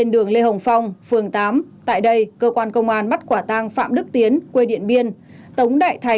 cùng thời điểm cơ quan công an đã bắt giữ các đối tượng